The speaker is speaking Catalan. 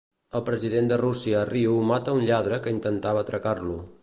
El president de Rússia a Rio mata un lladre que intentava atracar-lo.